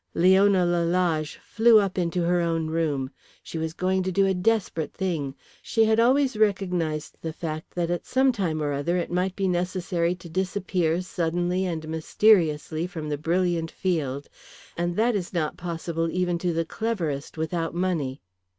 Leona Lalage flew up into her own room. She was going to do a desperate thing. She had always recognised the fact that at some time or other it might be necessary to disappear suddenly and mysteriously from the brilliant field, and that is not possible even to the cleverest without money.